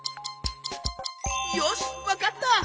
よしわかった！